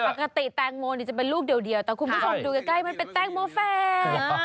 ปกติแตงโมจะเป็นลูกเดียวแต่คุณผู้ชมดูใกล้มันเป็นแตงโมแฝด